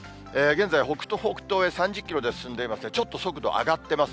現在、北北東へ３０キロで進んでいますが、ちょっと速度上がっています。